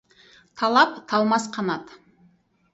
Талап — талмас қанат.